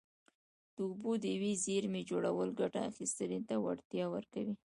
د اوبو د یوې زېرمې جوړول ګټه اخیستنې ته وړتیا ورکوي.